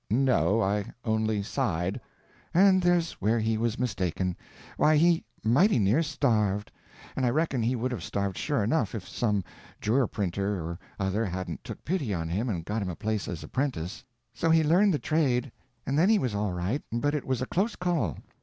"No—I only sighed." "And there's where he was mistaken. Why, he mighty near starved. And I reckon he would have starved sure enough, if some jour' printer or other hadn't took pity on him and got him a place as apprentice. So he learnt the trade, and then he was all right—but it was a close call.